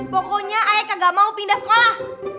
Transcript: pokoknya ae kagak mau pindah sekolah